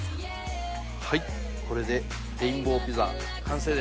はいこれでレインボーピザ完成です。